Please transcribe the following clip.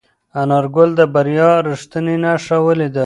انارګل د بریا رښتینې نښه ولیده.